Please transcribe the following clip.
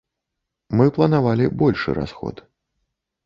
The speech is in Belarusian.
Мы планавалі большы расход.